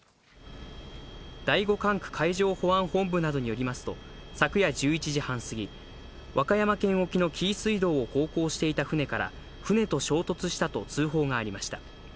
第五管区海上保安本部などによりますと、昨夜１１時半過ぎ、和歌山県沖の紀伊水道を航行していた船から船と衝突したと通報がありました。